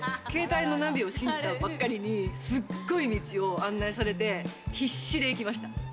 携帯のナビを信じたばっかりにすごい道を案内されて、必死で行きました。